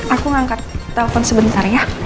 aku mau angkat telopon sebentar ya